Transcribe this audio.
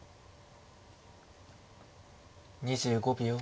２５秒。